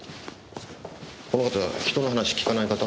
この方人の話聞かない方？